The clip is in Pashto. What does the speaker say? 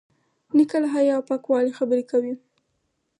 نیکه له حیا او پاکوالي خبرې کوي.